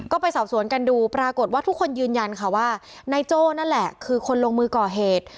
ก็ไปสอบสวนกันดูปรากฏว่าทุกคนยืนยันค่ะว่านายโจ้นั่นแหละคือคนลงมือก่อเหตุ